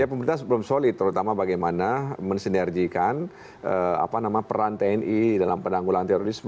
pemerintah belum solid terutama bagaimana mensinergikan peran tni dalam penanggulan terorisme